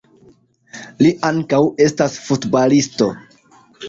Li ankaŭ estas futbalisto.